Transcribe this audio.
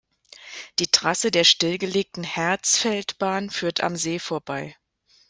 Die Trasse der stillgelegten Härtsfeldbahn führt am See vorbei.